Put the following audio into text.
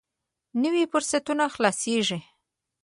نوي فرصتونه خلاصېږي.